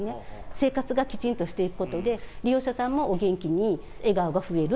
生活がきちんとしていくことで、利用者さんもお元気に笑顔が増える。